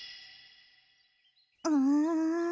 うん。